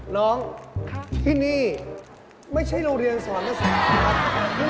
น้องที่นี่ไม่ใช่โรงเรียนสอนภาษฐา